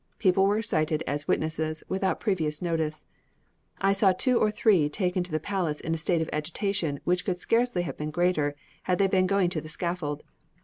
People were cited as witnesses, without previous notice. I saw two or three taken to the palace in a state of agitation which could scarcely have been greater had they been going to the scaffold.